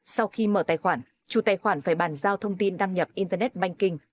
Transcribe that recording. sau khi mở tài khoản chủ tài khoản phải bàn giao thông tin đăng nhập internet banking